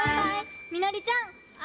みのりちゃん。